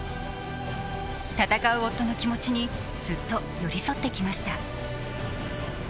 戦う夫の気持ちにずっと寄り添ってきました。